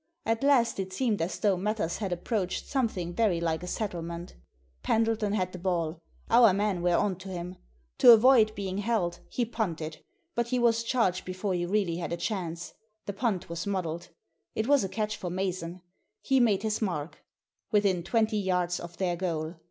At last it seemed as though matters had approached something very like a settlement Pendleton had the ball Our men were on to him. To avoid being held he punted. But he was charged before he really had a chance. The punt was muddled. It was a catch for Mason. He made his mark — within twenty yards of their goal